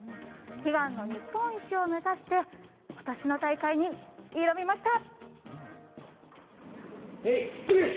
悲願の日本一を目指してことしの大会に挑みました。